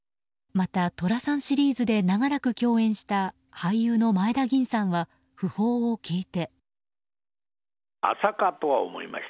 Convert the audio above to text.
また、寅さんシリーズで長らく共演した俳優の前田吟さんは訃報を聞いて。